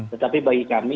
tetapi bagi kami